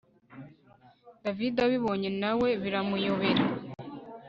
david abibonye nawe biramuyobera